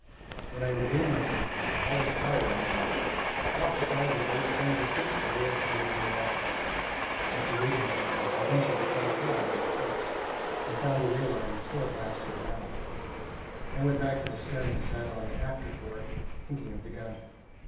When I regained my senses, all was quiet around me. Off the side of the boat, at some distance, a whale floated on the water. After waiting a few moments, I ventured to crawl forward on the thwarts, and found the whale line was still attached to the bow. I went back to the stern and sat on the after thwart, thinking of the gun.